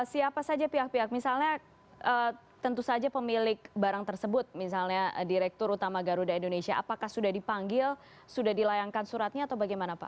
siapa saja pihak pihak misalnya tentu saja pemilik barang tersebut misalnya direktur utama garuda indonesia apakah sudah dipanggil sudah dilayangkan suratnya atau bagaimana pak